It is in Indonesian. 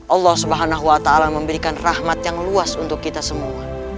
allah swt memberikan rahmat yang luas untuk kita semua